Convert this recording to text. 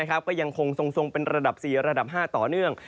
ก็ยังคงทรงเป็นระดับ๔ระดับ๕ต่อเนื่อง